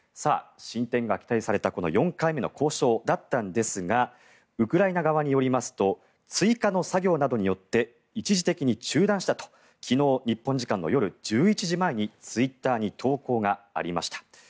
進展が期待された４回目の交渉だったんですがウクライナ側によりますと追加の作業などによって一時的に中断したと昨日、日本時間の夜１１時前にツイッターに投稿がありました。